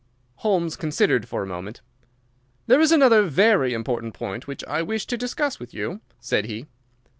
Holmes considered for a moment. "There is another very important point which I wish to discuss with you," said he.